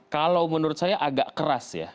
kalau menurut saya agak keras ya